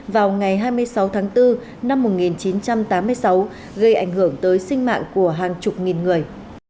vào ngày hai mươi sáu tháng bốn năm một nghìn chín trăm tám mươi sáu gây ảnh hưởng tới sinh mạng của hàng chục nghìn người